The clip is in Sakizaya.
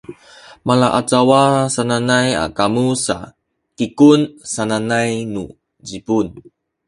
malaacawa sananay a kamu sa “kikung” sananay nu Zipun